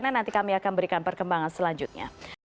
karena nanti kami akan berikan perkembangan selanjutnya